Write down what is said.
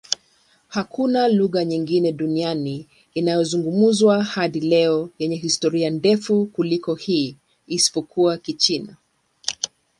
Hakuna lugha nyingine duniani inayozungumzwa hadi leo yenye historia ndefu kuliko hii, isipokuwa Kichina.